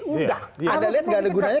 udah ada yang nggak ada gunanya